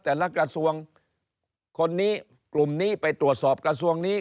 แต่ละกระทรวงคนนี้กลุ่มนี้ไปตรวจสอบกระทรวงนี้